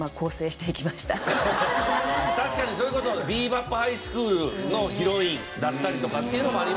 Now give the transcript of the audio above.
確かにそれこそ『ビー・バップ・ハイスクール』のヒロインだったりとかっていうのもありましたし。